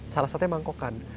salah satunya mangkokan